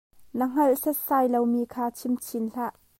Na hngalh setsai lomi kha chim chin hlah.